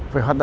từ đó để có